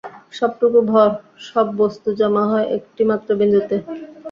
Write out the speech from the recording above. সবটুকু ভর, সব বস্তু জমা হয় একটিমাত্র বিন্দুতে।